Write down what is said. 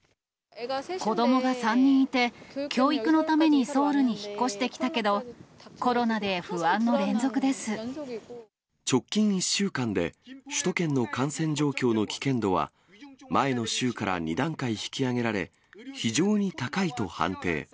子どもが３人いて、教育のためにソウルに引っ越してきたけど、コロナで不安の連続で直近１週間で、首都圏の感染状況の危険度は、前の週から２段階引き上げられ、非常に高いと判定。